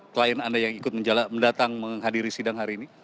klien anda yang ikut mendatang menghadiri sidang hari ini